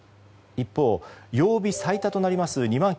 一方、曜日最多となります